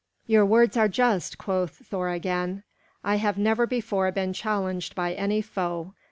"Your words are just," quoth Thor again. "I have never before been challenged by any foe.